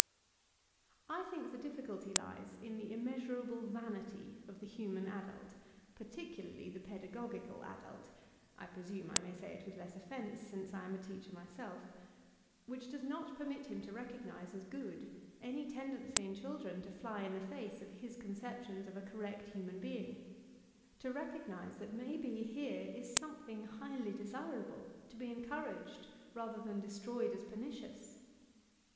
I think the difficulty lies in tiie immeasurable vanity of the human adult, particularly the pedagogical adult, (I presume I may say it with less offense since I am a teacher myself), which does not permit him to recognize as good any tendency in children to fly in the face of his conceptions of a correct human being ; to recognize that may be here is something highly desirable, to be encouraged, rather than destroyed as pernicious.